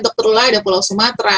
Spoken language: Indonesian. dr lula ada pulau sumatera